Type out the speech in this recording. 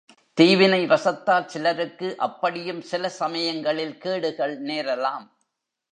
தீவினைவசத்தால் சிலருக்கு அப்படியும் சிலசமயங்களில் கேடுகள் நேரலாம்.